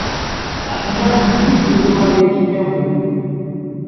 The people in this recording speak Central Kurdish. ئەحمەد هیچ لێدوانێکی نەبوو.